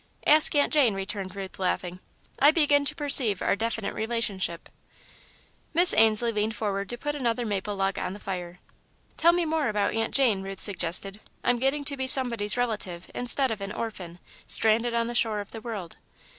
"Ask Aunt Jane," returned Ruth, laughing. "I begin to perceive our definite relationship." Miss Ainslie leaned forward to put another maple log on the fire. "Tell me more about Aunt Jane," Ruth suggested. "I'm getting to be somebody's relative, instead of an orphan, stranded on the shore of the world."